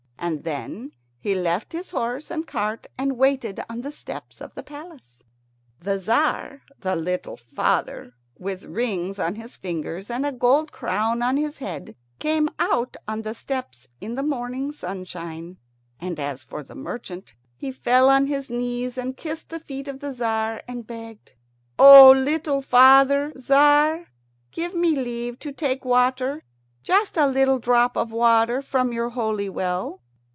And then he left his horse and cart and waited on the steps of the palace. The Tzar, the little father, with rings on his fingers and a gold crown on his head, came out on the steps in the morning sunshine; and as for the old merchant, he fell on his knees and kissed the feet of the Tzar, and begged, "O little father, Tzar, give me leave to take water just a little drop of water from your holy well."